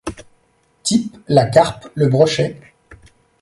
Type : la carpe, le brochet.